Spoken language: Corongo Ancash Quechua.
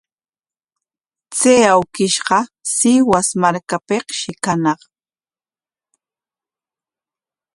Chay awkishqa Sihuas markapikshi kañaq.